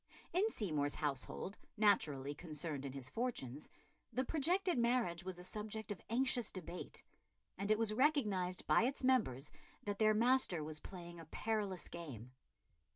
In Seymour's household, naturally concerned in his fortunes, the projected marriage was a subject of anxious debate; and it was recognised by its members that their master was playing a perilous game.